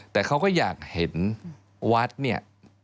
แต่เขาก็อยากเห็นวัดเนี่ย